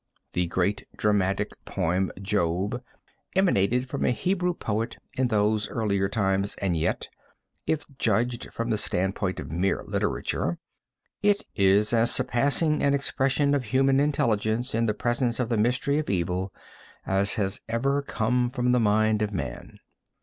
The great dramatic poem Job emanated from a Hebrew poet in those earlier times, and yet, if judged from the standpoint of mere literature, is as surpassing an expression of human intelligence in the presence of the mystery of evil as has ever come from the mind of man.